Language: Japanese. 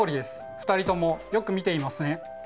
２人ともよく見ていますね。